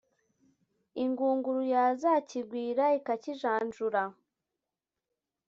Ingunguru yazakigwira, ikakijanjura